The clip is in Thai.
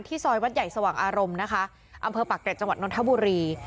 ซอยวัดใหญ่สว่างอารมณ์นะคะอำเภอปากเกร็จจังหวัดนทบุรี